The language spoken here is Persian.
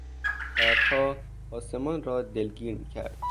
ابرها آسمان را دلگیر میکرد.